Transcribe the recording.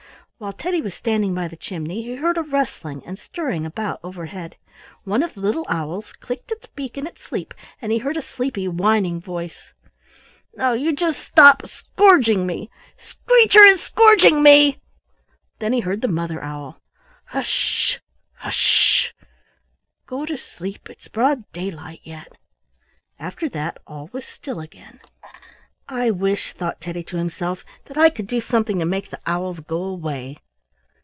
While Teddy was standing by the chimney, he heard a rustling and stirring about overhead; one of the little owls clicked its beak in its sleep, and he heard a sleepy, whining voice: "Now just you stop scrouging me. Screecher is scrouging me!" Then he heard the Mother Owl: "Hus s s h! Hus s s h! Go to sleep; it's broad daylight yet." After that all was still again. "I wish," thought Teddy to himself, "that I could do something to make the owls go away."